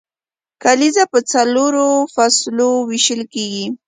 کلیزه په څلورو فصلو ویشل کیږي.